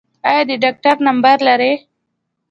ایا د ډاکټر نمبر لرئ؟